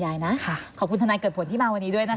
แล้วก็คุณตาคุณยายนะค่ะขอบคุณทนายเกิดผลที่มาวันนี้ด้วยนะคะ